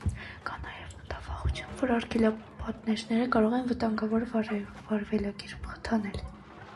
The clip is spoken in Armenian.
Կա նաև մտավախություն, որ արգելապատնեշները կարող են վտանգավոր վարվելակերպ խթանել։